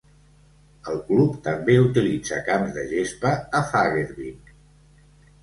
El club també utilitza camps de gespa a Fagervik.